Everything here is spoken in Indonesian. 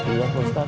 iya pak ustadz